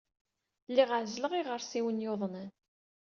Lliɣ ɛezzleɣ iɣersiwen yuḍnen.